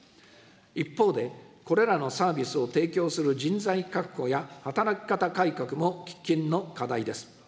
一方で、これらのサービスを提供する人材確保や働き方改革も喫緊の課題です。